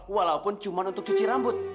walaupun cuma untuk cuci rambut